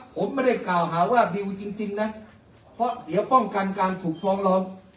ผมไม่ได้กล่าวหาว่าบิวจริงนะเพราะเดี๋ยวป้องกันการถูกฟ้องร้อง